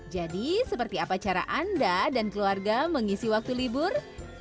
jadi seperti apa cara anda dan keluarga mengisi waktu libur